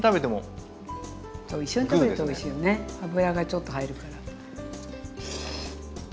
油がちょっと入るから。